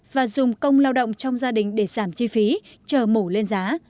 và dùng công lao động trong gia đình để giảm chi phí chờ mổ lên giá